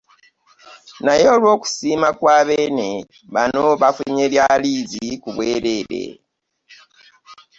Naye olw'okusiima kwa Beene, bano bafunye lya liizi ku bwereere.